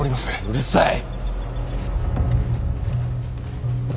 うるさい！